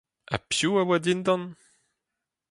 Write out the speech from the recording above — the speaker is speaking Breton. Ha piv a oa dindan ?